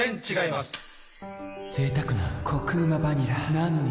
なのに．．．